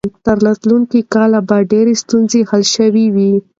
تر راتلونکي کاله به ډېرې ستونزې حل شوې وي.